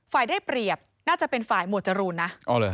ได้เปรียบน่าจะเป็นฝ่ายหมวดจรูนนะ